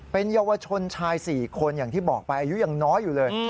เป็นเยาวชนชาย๔คนอย่างที่บอกไปอายุยังน้อยอยู่เลย